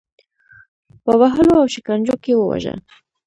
په وهلو او شکنجو کې وواژه.